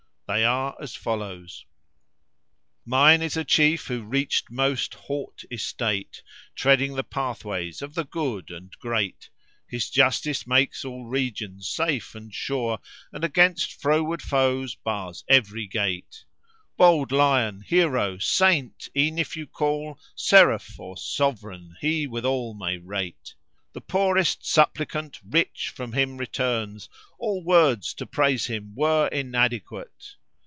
They are as follows:— Mine is a Chief who reached most haught estate, * Treading the pathways of the good and great: His justice makes all regions safe and sure, * And against froward foes bars every gate: Bold lion, hero, saint, e'en if you call * Seraph or Sovran [FN#493] he with all may rate! The poorest suppliant rich from him returns, * All words to praise him were inadequate.